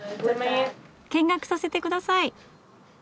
見学させてください。